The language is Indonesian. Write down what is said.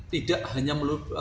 tidak hanya berada di kawasan